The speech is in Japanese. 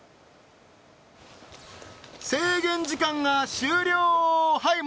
制限時間が終了はい